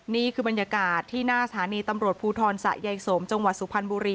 นี่คือบรรยากาศที่หน้าสถานีตำรวจภูทรสะยายสมจังหวัดสุพรรณบุรี